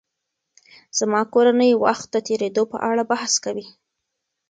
زما کورنۍ وخت د تېرېدو په اړه بحث کوي.